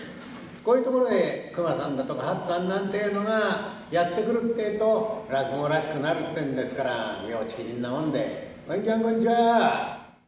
こういうところへ熊さんだとか八っつぁんなんていうのがやってくるっていうと落語らしくなってくるんですが、みょうちきりんなもんで、こんちわこんちわ。